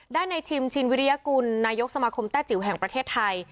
ในชิมชินวิริยกุลนายกสมาคมแต้จิ๋วแห่งประเทศไทย